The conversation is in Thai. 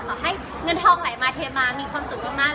ให้เงินทองไหลมาเทมามีความสุขมาก